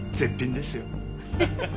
ハハハ！